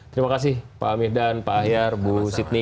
terima kasih pak amir dan pak hayar bu sidney